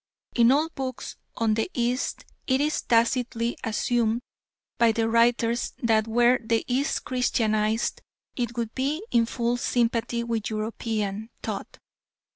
In all books on the East it is tacitly assumed by the writers that were the East Christianised it would be in full sympathy with European thought.